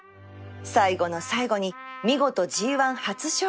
最後の最後に見事 ＧⅠ 初勝利